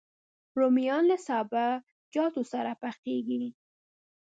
رومیان له سابهجاتو سره پخېږي